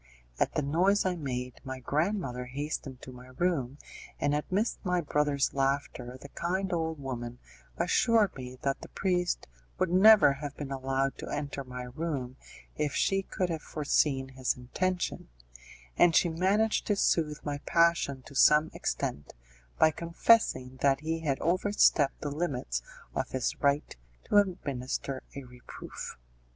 At the noise I made my grandmother hastened to my room, and amidst my brother's laughter the kind old woman assured me that the priest would never have been allowed to enter my room if she could have foreseen his intention, and she managed to soothe my passion to some extent by confessing that he had over stepped the limits of his right to administer a reproof.